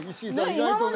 意外とね